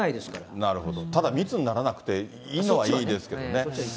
なるほど、ただ密にならなくて、いいのはいいですけどね。